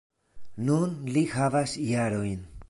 Nun li havas jarojn.